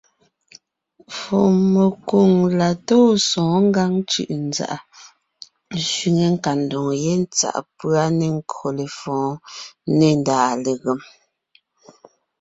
Fùɔmekwoŋ la tóo sɔ̌ɔn Ngǎŋ cʉ̀ʼʉnzàʼa sẅiŋe nkadoŋ ye tsáʼ pʉ́a nê nkÿo lefɔ̌ɔn nê ndàa legém.